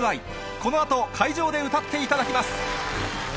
このあと会場で歌っていただきま